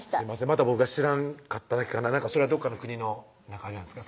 また僕が知らんかっただけかなそれはどこかの国のあれなんですか？